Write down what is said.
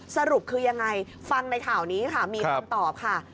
สรุปคือยังไงฟังในข่าวนี้ค่ะมีคำตอบค่ะ